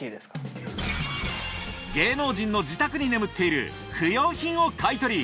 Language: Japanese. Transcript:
芸能人の自宅に眠っている不用品を買い取り！